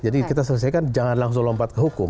jadi kita selesaikan jangan langsung lompat ke hukum